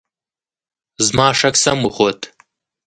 زما شک سم وخوت .